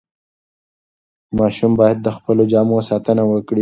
ماشومان باید د خپلو جامو ساتنه وکړي.